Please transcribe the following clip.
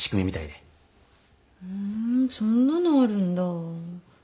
ふんそんなのあるんだ。